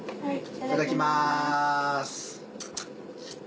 いただきます。